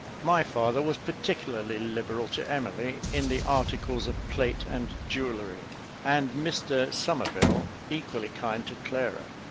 My father was particularly liberal to Emily in the articles of plate and jewellery, and Mr Somerville equally kind to Clara.